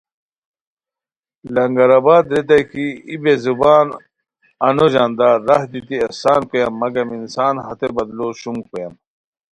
لنگر آباد ریتائے کی ای بے زبان آنو ژاندار راہ دیتی احسان کویان مگم انسان ہتے بدلو شوم کویان